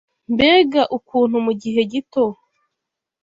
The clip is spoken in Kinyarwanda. Mbega ukuntu mu gihe gito